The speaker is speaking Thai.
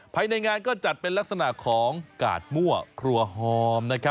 ภายในงานก็จัดเป็นลักษณะของกาดมั่วครัวหอม